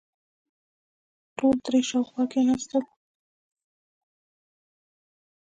ټول ترې شاوخوا کېناستل.